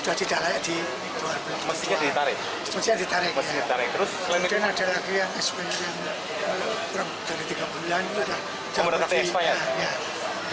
ada juga makanan yang tidak ada di dalamnya